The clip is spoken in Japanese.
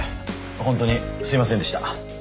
ホントにすいませんでした。